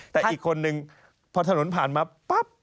แต่อีกคนนึงพอถนนผ่านมาปั๊บ